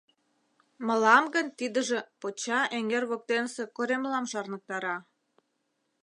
Мылам гын тидыже Поча эҥер воктенысе коремлам шарныктара.